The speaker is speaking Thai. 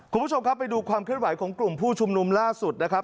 คุณผู้ชมครับไปดูความเคลื่อนไหวของกลุ่มผู้ชุมนุมล่าสุดนะครับ